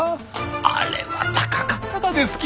あれは高かったがですき！